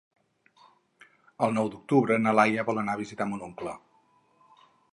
El nou d'octubre na Laia vol anar a visitar mon oncle.